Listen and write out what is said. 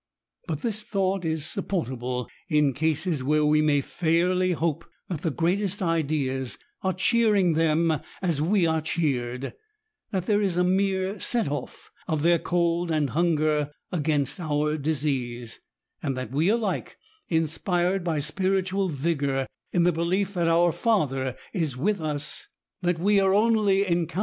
But this thought is sup portable in cases where we may fairly hope that the greatest ideas are cheering them as we are cheered ; that there is a mere set off of their cold and hunger against our disease ; and that we are alike inspired by spiritual vigour in the belief that our Father is with us,— that we are only encoun 164 E88ATS.